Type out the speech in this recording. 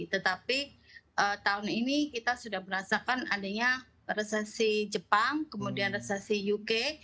tetapi tahun ini kita sudah merasakan adanya resesi jepang kemudian resesi uk